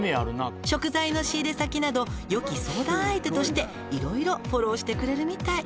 「食材の仕入れ先などよき相談相手として色々フォローしてくれるみたい」